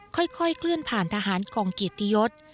ค่อยเคลื่อนผ่านทหารกองเกียรติยศ